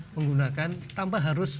menggunakan tanpa harus